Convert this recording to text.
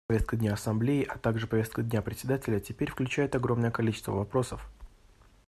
Повестка дня Ассамблеи, а также повестка дня Председателя теперь включают огромное количество вопросов.